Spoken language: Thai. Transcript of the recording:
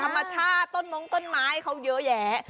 ธรรมชาติต้นมงต้นไม้เขาเยอะแยะ